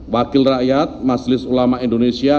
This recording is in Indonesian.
wakil rakyat majelis ulama indonesia